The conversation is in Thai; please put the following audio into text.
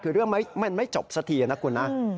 คือเรื่องมันไม่จบสักทีนะคุณนะ